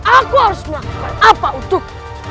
aku harus melakukan apa untuk